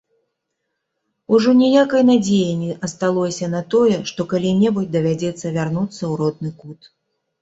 Ужо ніякай надзеі не асталося на тое, што калі-небудзь давядзецца вярнуцца ў родны кут.